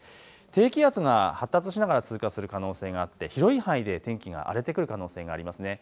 低気圧が発達しながら通過する可能性があって広い範囲で天気が荒れてくる可能性がありますね。